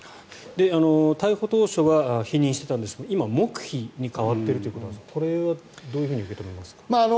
逮捕当初は否認していたんですが今は黙秘に変わっているということですがこれはどういうふうに受け止めますか？